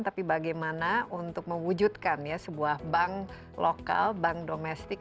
tapi bagaimana untuk mewujudkan ya sebuah bank lokal bank domestik